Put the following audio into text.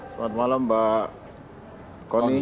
selamat malam pak kony